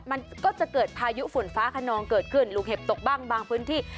มันก็จะเกิดพายุฝนฟ้าขนองเกิดขึ้นลูกเห็บตกบ้างบางพื้นที่